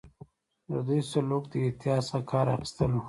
د دوی سلوک د احتیاط څخه کار اخیستل وو.